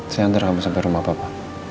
saya nganter kamu sampai rumah papa